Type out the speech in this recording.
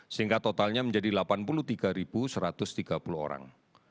sehingga totalnya menjadi delapan puluh tiga satu ratus tiga puluh orang